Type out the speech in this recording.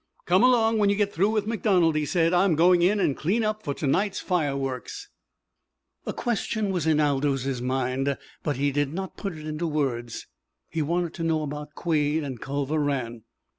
"Come along when you get through with MacDonald," he said. "I'm going in and clean up for to night's fireworks." A question was in Aldous' mind, but he did not put it in words. He wanted to know about Quade and Culver Rann.